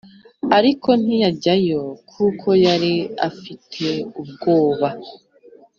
ariko ntiyajyayo kuko yari afite ubwoba